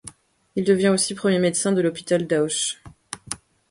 Il devient aussi premier médecin de l'Hôpital d'Auch.